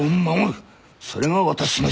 それが私の使命。